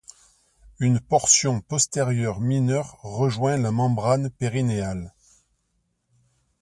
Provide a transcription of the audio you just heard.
Une portion postérieure mineure rejoint la membrane périnéale.